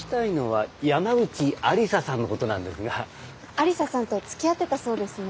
愛理沙さんとつきあってたそうですね。